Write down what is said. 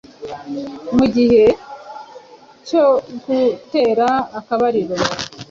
mu gihe cyo gutera akabariro